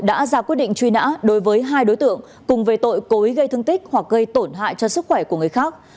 đã ra quyết định truy nã đối với hai đối tượng cùng về tội cối gây thương tích hoặc gây tổn hại cho sức khỏe của người khác